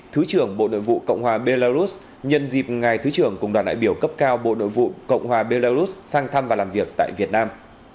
thứ trưởng bộ nội vụ cộng hòa belarus nhân dịp ngài thứ trưởng cùng đoàn đại biểu cấp cao bộ nội vụ cộng hòa belarus sang thăm và làm việc tại việt nam